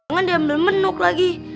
jangan diam dan menuk lagi